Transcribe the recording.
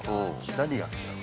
◆何が好きなの？